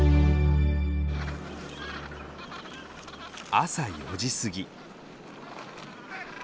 朝４時過ぎ。